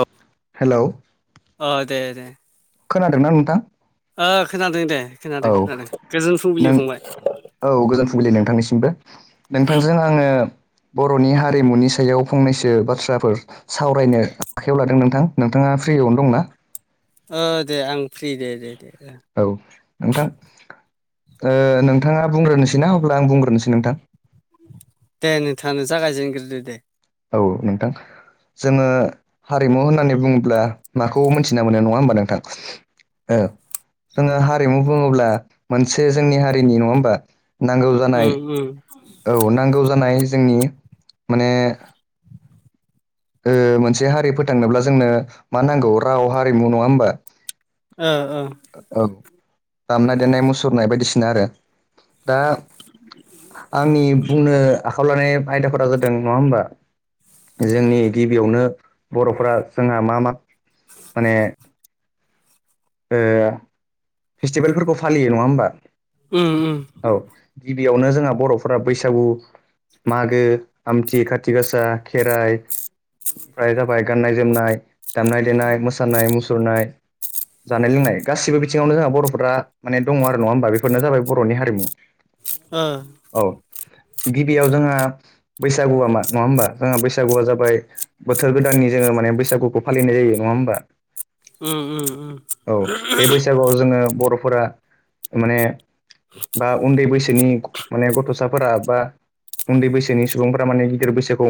औ हेलौ अ दे दे खोनादोंना नोंथां ओ खोनादों दे औ खोनादों खोनादों गोजोन फुंबिलि नों फंबाय औ गोजोन फुंबिलि नोंथांनिसिमबो नोंथांजों आङो बर'नि हारिमुनि सायाव फंनैसो बाथ्राफोर सावरायनो आखायाव लादों नोंथां नोंथाङा फ्रियावनो दंना ओ दे आं फ्रि दे दे दे औ नोंथां ओ नोंथाङा बुंग्रोनोसै ना अब्ला आं बुंग्रोनोसै नोंथां दे नोंथाङानो जागायजेनग्रोदो दे औ नोंथां जोङो हारिमु होननानै बुङोब्ला माखौ मोनथिना मोनो नङा होमबा नोंथां ओ जोङो हारिमु बुङोब्ला मोनसे जोंनि हारिनि नङा होमबा नांगौ जानाय उम उम औ नांगौ जानाय जोंनि माने ओ मोनसे हारि फोथांनोब्ला जोंनो मा नांगौ राव हारिमु नङा होमबा ओ ओ औ दामनाय देनाय मुसुरनाय बायदिसिना आरो दा आंनि बुंनो आखायाव लानाय आयदाफोरा जादों नङा होमबा जोंनि गिबियावनो बर'फ्रा जोंहा मा मा माने ओ फेस्टिभेलफोरखौ फालियो नङा होमबा उम उम औ गिबियावनो जोंहा बर'फोरा बैसागु मागो आमथि खाथि गासा खेराइ ओमफ्राय जाबाय गाननाय जोमनाय दामनाय देनाय मोसानाय मुसुरनाय जानाय लोंनाय गासिबो बिथिङावनो जोंहा बर'फोरा माने दङ आरो नङा होमबा बेफोरनो जाबाय बर'नि हारिमु [inaudible] ओ औ गिबियाव जोंहा बैसागुआ मा नङा होमबा जोंहा बैसागुआ जाबाय बोथोर गोदान जोङो माने बैसागुखौ फालिनाय जायो नङा होमबा ओ ओ ओ औ बे बैसागुआव जोङो बर'फोरा माने बा उन्दै बैसा बिनि माने गथ'साफोरा बा उन्दै बैसोनि सुबुंफ्रा माने गिदिर बैसोखौ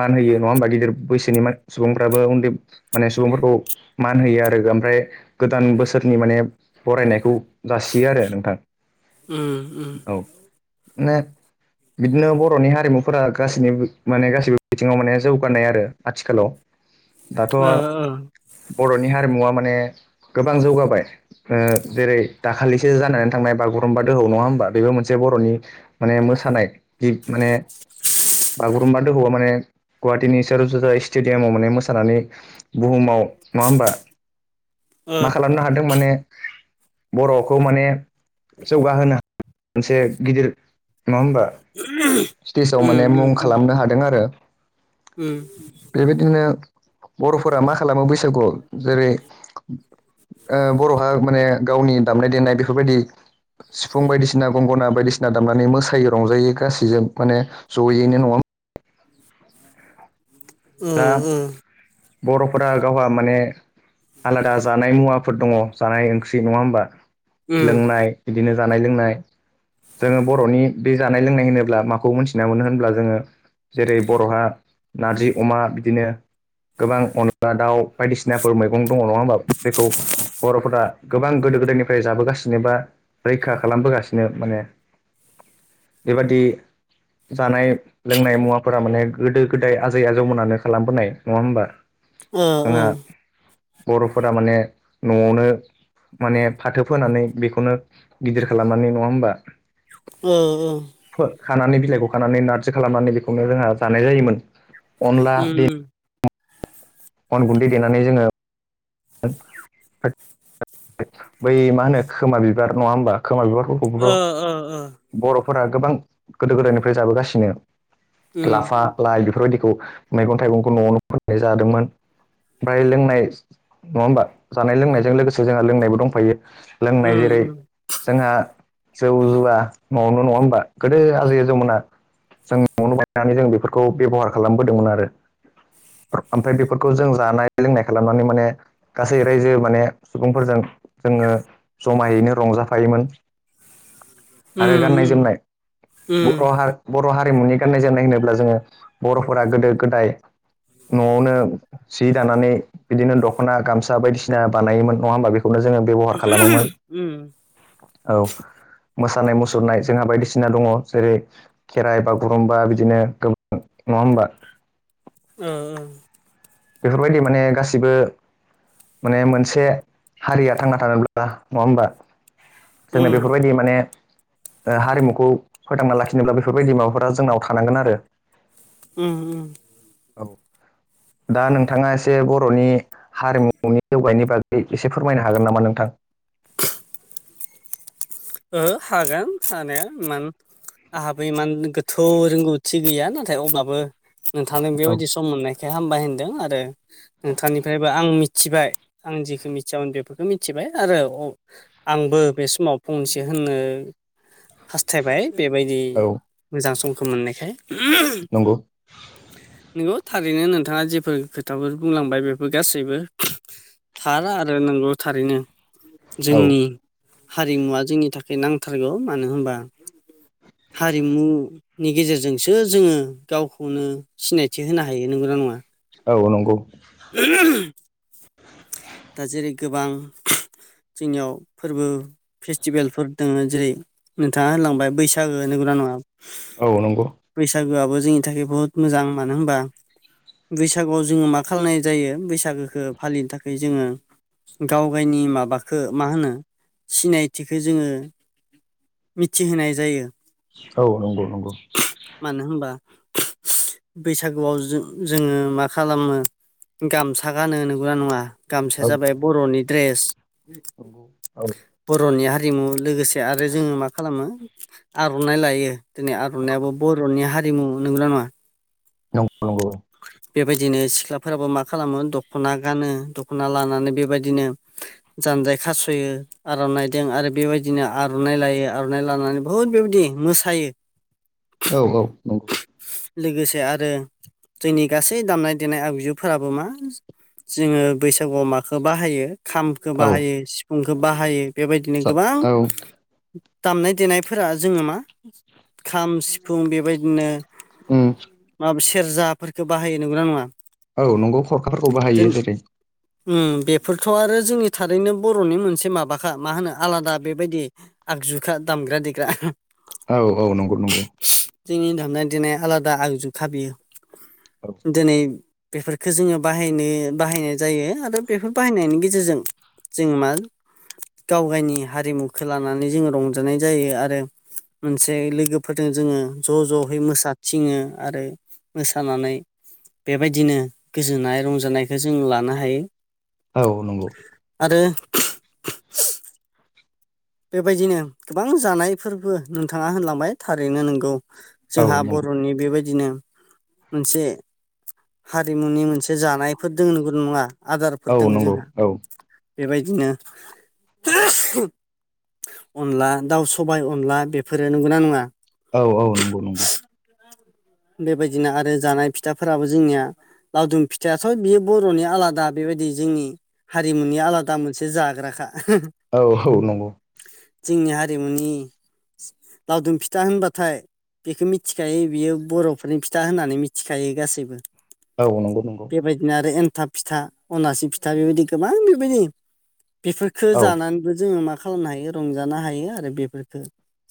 मान होयो नङा होमबा गिदिर बैसोनि सुबुंफ्राबो उन्दै माने सुबुंफोरखौ मान होयो आरो ओमफ्राय गोदान बोसोरनि माने बरायनायखौ जासियो आरो नोंथां उम उम औ माने बिदिनो बर'नि हारिमुफोरा गासैनिबो माने गासिबो बिथिङाव माने जौगानाय आरो आथिखालाव दाथ' ओ बर'नि हारिमुवा माने गोबां जौगाबाय ओ जेरै दाखालिसो जानानै थांनाय बागुरुम्बा दोहौ नङा होमबा बेबो मोनसे बर'नि माने मोसानाय जि माने बागुरुम्बा दोहौआ माने गुवाहाटीनि सरसजाय स्टेडियामाव माने मोसानानै बुहुमाव नङा होमबा [inaudible] मा उम खालामनो हादों माने बर'खौ माने जौगाहोनो मोनसे गिदिर नङा होनबा स्टेजाव माने मुं उम खालामनो हादों आरो ओं दा बेदिनो बर'फोरा मा खालामो बैसागुआव जेरै ओ बर'हा माने गावनि दामनाय देनाय बेफोरबायदि सिफुं बायदिसिना गंगना बायदिसिना दामनानै मोसायो रंजायो गासैजों माने ज'यैनो नङा दा बर'फोरा गावहा माने आलादा जानाय मुवाफोर दङ जानाय ओंख्रि नङा होमबा लोंनाय बिदिनो जानाय लोंनाय जोङो बर'नि बे जानाय लोंनाय होनोब्ला माखौ मोनथिना मोनो होनब्ला जोङो जेरै बर'हा नारजि अमा बिदिनो गोबां अनला दाउ बायदिसिनाफोर मैगं दङ नङा होमबा बेखौ बर'फोरा गोबां गोदो गोदायनिफ्राय जाबोगासिनो बा रैखा खालामबोगासिनो माने बेबादि जानाय लोंनाय मुवाफोरा माने गोदो गोदाय आजै आजौमोनानो खालामबोनाय नङा होमबा ओ जोंहा बर'फोरा माने न'आवनो माने फाथो फोनानै बेखौनो गिदिर खालामनानै नङा होमबा औ औ खानानै बिलाइखौ खानानै नारजि खालामनानै बेखौनो जोंहा जानाय जायोमोन अनला उम उम अन गुन्दै देनानै जोङो [inaudible] बै मा होनो खोमा बिबार नङा होमबा खोमा बिबारखौ ओ ओ ओ बर'फोरा गोबां गोदो गोदायनिफ्राय जाबोगासिनो उम लाफा लाइ बेफोरबायदिखौ मैगं थाइगंखौ न'आवनो मोननाय जादोंमोन ओमफ्राय लोंनाय नङा होमबा जानाय लोंनायजों लोगोसे जोंहा लोंनायबो दंफायो लोंनाय उम उम जेरै जोंहा जौ जुवा न'आवनो नङा होमबा गोदो आजै आजौमोना जों न'आवनो बायनानै जों बेफोरखौ बेब'हार खालामबोदोंमोन आरो ओमफ्राय बेफोरखौ जों जानाय लोंनाय खालामनानै माने गासै रायजो माने सुबुंफोरजों जोङो जमायैनो रंजाफायोमोन उम आरो गाननाय जोमनाय बर' हा बर' हारिमुनि गाननाय जोमनाय होनोब्ला जोङो बर'फोरा गोदो गोदाय न'आवनो सि दानानै बिदिनो दख'ना गामसा बायदिसिना बानायोमोन नङा होमबा बेखौनो जोङो बेबहार खालामोमोन उम औ मोसानाय मुसुरनाय जोंहा बायदिसिना दङ जेरै खेराइ बागुरुमबा बिदिनो गोबां नङा होमबा ओ ओ बेफोरबायदि माने गासिबो माने मोनसे हारिया थांना थानोब्ला नङा होमबा जोंनो उम बेफोरबायदि माने ओ हारिमुखौ फोथांना लाखिनोब्ला बेफोरबायदि माबाफोरा जोंनाव थानांगोन आरो उम उम औ दा नोंथाङा एसे बर'नि हारिमुनि जौगानायनि बागै एसे फोरमायनो हागोन नामा नोंथां ओ हागोन हानाया मान आंहाबो इमान गोथौ रोंगौथि गैया नाथाय अब्लाबो नोंथांनो औ बेबायदि सम मोननाय खाय हामबाय होनदों आरो नोंथांनिफ्रायबो आं मिथिबाय आं जेखो मिथियामोन बेफोरखौ मिथिबाय आरो आंबो बे समाव फंसे होननो हास्थायबाय बेबायदि औ मोजां समखौ मोननायखाय नंगौ नंगौ थारैनो नोंथाङा जेफोर खोथाफोर बुंलांबाय बेफोर गासैबो थार आरो नंगौ थारैनो औ जोंनि हारिमुवा जोंनि थाखाय नांथारगौ मानो होनबा हारिमु नि गेजेरजोंसो जोङो गावखौनो सिनायथि होनो हायो नंगौना नङा औ नंगौ दा जेरै गोबां जोंनियाव फोरबो फेस्टिभेलफोर दोङो जेरै नोंथाङा होनलांबाय बैसागो नोंगोना नोङा औ नंगौ बैसागोआबो जोंनि थाखाय बुहुत मोजां मानो होनबा बैसागुआव जोङो मा खालामनाय जायो बैसागोखौ फालिनो थाखाय जोङो गाव गायनि माबाखो मा होनो सिनायथिखौ जोङो मिथिहोनाय जायो औ नंगौ नंगौ मानो होनबा बैसागुआव जो जोङो मा खालामो गामसा गानो नंगौना नङा गामसाया औ जाबाय नंगौ बर'नि ड्रेस नंगौ औ बर'नि हारिमु लोगोसे आरो जोङो मा खालामो आर'नाइ लायो दिनै औ आर'नायाबो बर'नि हा नै बुङो नंगौना नङा [unintelligible] बेबायदिनो सिख्लाफोराबो मा खालामो दख'ना गानो दख'ना लानानै बेबायदिनो जानजाय खास'यो आर'नाइदों आरो बेबायदिनो आर'नाइ लायो आर'नाइ लानानै बुहुद बेबायदि मोसायो औ औ नंगौ लोगोसे आरो जोंनि गासै दामनाय देनाय आगजुफोराबो मा जोङो बैसागुआव माखौ बाहायो खामखौ औ बाहायो सिफुंखौ बाहायो बेबायदिनो गोबां औ दामनाय देनायफोरा जोङो मा खाम सिफुं बेबायदिनो उम माबा सेरजाफोरफोरखौ बाहायो नंगौना नङा औ नंगौ खरखाफोरखौ जों बाहायो जेरै उम बेफोरथ' आरो जोंनि थारैनो बर'नि मोनसे माबाखा मा होनो आलादा बेबायदि आगजुखा दामग्रा देग्रा औ औ नंगौ नंगौ जोंनि दामनाय देनाय आलादा आगजुखा बियो औ दिनै बेफोरखौ जोङो बाहायनो बाहायनाय जायो आरो बेफोर बाहायनायनि गेजेरजों जोङो मा गाव गायनि हारिमुखौ लानानै जोङो रंजानाय जायो आरो मोनसे लोगोफोरजों जोङो ज' ज'यै मोसाथिङो आरो मोसानानै बेबायदिनो गोजोननाय रंजानायखौ जों लानो हायो औ नंगौ आरो बेबायदिनो गोबां जानायफोरबो नोंथाङा होनलांबाय थारैनो नंगौ औ जोंहा नंगौ बर'नि बेबायदिनो मोनसे हारिमुनि मोनसे जानायफोर दों नंगौ नङा औ आदारफोर दङ नंगौ जोंहा औ बेबायदिनो अनला दाउ सबाय अनला बेफोरो नंगौना नङा औ औ नंगौ नंगौ बेबायदिनो आरो जानाय फिथाफोराबो जोंनिया लावदुम फिथायाथ' बियो बर'नि आलादा बेबायदि जोंनि हारिमुनि आलादा मोनसे जाग्राखा औ औ नंगौ जोंनि हारिमुनि लावदुम फिथा होनबाथाय बेखौ मिथिखायो बियो बर'फोरनि फिथा होननानै मिथिखायो गासैबो औ नंगौ नंगौ बेबायदिनो आरो एनथाब फिथा अनासि फिथा बेबायदि गोबां बेबायदि बेफोरखो औ जानानैबो जोङो मा खालामनो हायो रंजानो हायो आरो बेफोरफोरखो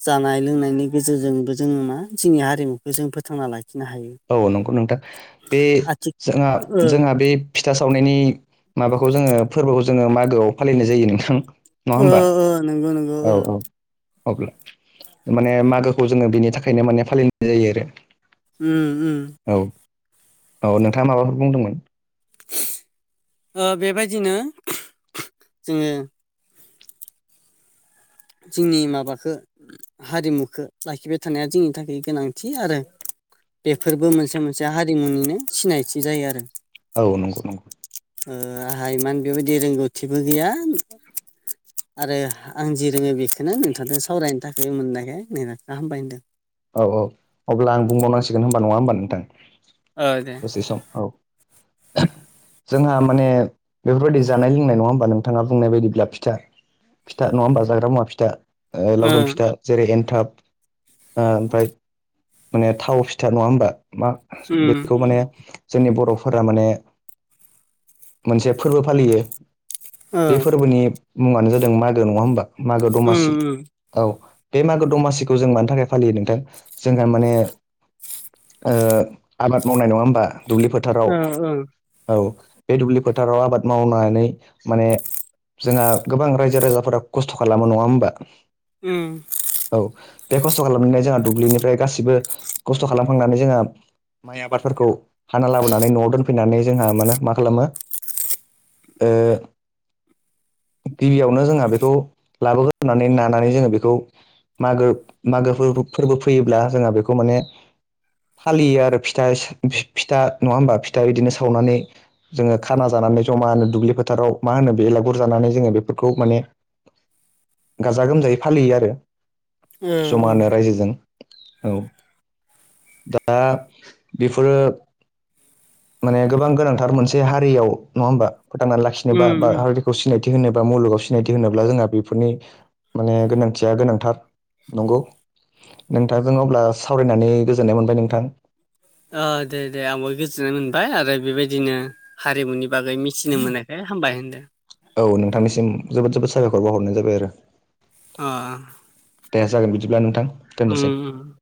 जानाय लोंनायनि गेजेरजोंबो जोङो मा जोंनि हारिमुखौ जों फोथांना लाखिनो हायो औ नंगौ नोंथां बे आथि जोंहा ओ जोंहा बे फिथा सावनायनि माबाखौ जोङो फोरबोखौ जोङो मागोआव फालिनाय जायो नोंथां नङा ओ होमबा ओ नंगौ नंगौ औ ओ औ अब्ला माने मागोखौ जोङो बिनि थाखायनो माने फालिनाय जायो आरो उ उ औ औ नोंथाङा माबाफोर बुंदोंमोन बेबायदिनो जोङो जोंनि माबाखो हारिमुखौ लाखिबाय थानाया जोंनि थाखाय गोनांथि आरो बेफोरबो मोनसे मोनसे हारिमुनिनो सिनायथि जायो आरो औ नंगौ नंगौ आंहा बेबायदि इमान बेबायदि रोंगौथिबो गैया आरो आं जि रोङो बेखौनो नोंथांजों सावरायनो थाखाय मोननायखाय नोंखौ हामबाय होनदों औ औ अब्ला आं बुंबावनांसिगोन होनबा नङा होमबा नोंथां औ दे दसे औ जोंहा माने बेफोरबायदि जानाय लोंनाय नङा होमबा नोंथाङा बुंनाय बायदिब्ला फिथा फिथा नङा होमबा जाग्रा मुवा फिथा लावदुम ओं फिथा जेरै एनथाब ओमफ्राय माने थाव फिथा नङा होमबा मा उम बेखौ माने जोंनि बर'फोरा माने मोनसे फोरबो फालियो ओ बे फोरबोनि मुङानो जादों मागो नङा होमबा मागो उम दमासि उम औ बे मागो दमासिखौ जों मानि थाखाय फालियो नोंथां जोंहा माने आबाद मावनाय नङा होमबा दुब्लिफोर फोथाराव ओ ओ औ बे दुब्लि फोथाराव आबाद मावनानै माने जोंहा गोबां रायजो राजाफोरा खस्थ' खालामो नङा होमबा ओम औ बे खस्थ' खालामनानै जोंहा दुब्लिनिफ्राय गासिबो खस्थ' खालामखांनानै जोंहा माइ आबादफोरखौ हाना लाबोनानै न'आव दोनफैनानै जोंहा मानो मा खालामो ओ गिबियावनो जोंहा बेखौ लाबोगोन होननानै नानानै जोङो बेखौ मागो मागो फोरबो फैयोब्ला जोंहा बेखौ माने फालियो आरो फि फिथा नङा होमबा फिथा बिदिनो सावनानै जोङो खाना जानानै जमा होनो दुब्लि फोथाराव मा होनो बेलागुर जानानै जोङो बेफोरखौ माने गाजा गोमजायै फालियो आरो ओ जमानो रायजोजों औ दा बेफोरो माने गोबां गोनांथार मोनसे हारियाव नङा होमबा फोथांनानै लाखिनोबा उम बा उम हारि खौ सिनायथि होनो बा मुलुगाव सिनायथि होनोब्ला जोंहा बेफोरनि माने गोनांथिया गोनांथार नंगौ नोंथांजों अब्ला सावरायनानै गोजोननाय मोनबाय नोंथां अ दे दे आंबो गोजोननाय मोनबाय आरो बेबायदिनो हारिमुनि बागै मिथिनो मोनाखै हामबाय होनदों औ नोंथांनिसिम जोबोद जोबोद साबायखर बावहरनाय जाबाय आरो अ देाया जागोन बिदिब्ला नोंथां दोननोसै उम